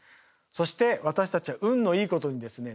そして私たちは運のいいことにですね